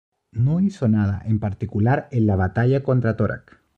No hizo nada en particular en la batalla contra Torak.